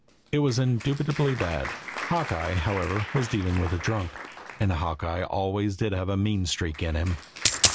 It was indubitably bad. Hawkeye, however, was dealing with a drunk and Hawkeye always did have a mean streak in him.